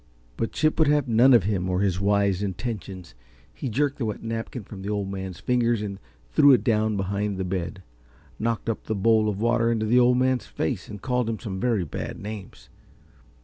But Chip would have none of him or his wise intentions. He jerked the wet napkin from the Old Man's fingers and threw it down behind the bed, knocked up the bowl of water into the Old Man's face and called him some very bad names.